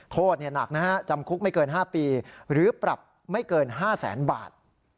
โทษหนักนะฮะจำคุกไม่เกิน๕ปีหรือปรับไม่เกิน๕แสนบาท